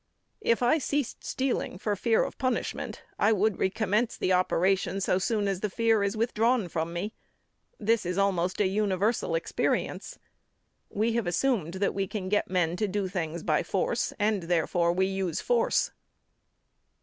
If I ceased stealing for fear of punishment, I would re commence the operation so soon as the fear is withdrawn from me. This is almost a universal experience. We have assumed that we can get men to do things by force and, therefore, we use force.